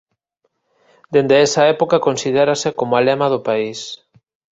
Dende esa época considérase como a lema do país.